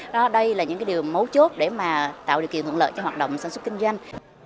đó đây là những cái điều mấu chốt để mà tạo điều kiện thuận lợi cho hoạt động sản xuất kinh doanh